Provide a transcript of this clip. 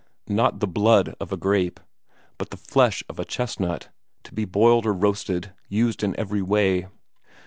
Not the blood of a grape, but the flesh of a chestnut, to be boiled or roasted, used in every way.